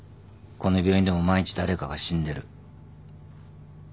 この病院でも毎日誰かが死んでる。